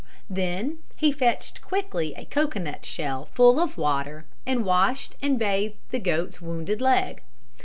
Then he fetched quickly a cocoanut shell full of water and washed and bathed the goat's wounded leg.